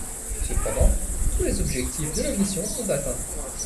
Cependant, tous les objectifs de la mission sont atteints.